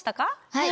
はい。